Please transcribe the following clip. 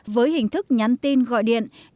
với hình thức nhắn tin gọi điện thoại